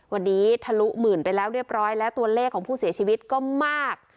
วันนี้ทะลุหมื่นไปแล้วเรียบร้อยแล้วตัวเลขของผู้เสียชีวิตก็มาก